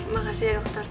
makasih ya dokter